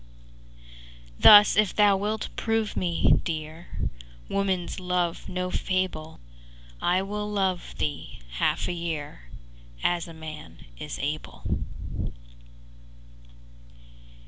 XI Thus, if thou wilt prove me, Dear, Woman's love no fable, I will love thee half a year As a man is able.